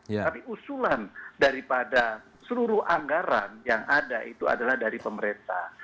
tapi usulan daripada seluruh anggaran yang ada itu adalah dari pemerintah